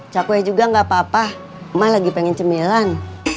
cakwe juga gak apa apa emak lagi pengen cemilan